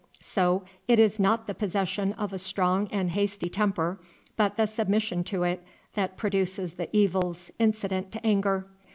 So it is not the possession of a strong and hasty temper, but the submission to it, that produces the evils incident to anger.